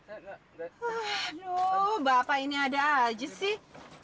aduh bapak ini ada aja sih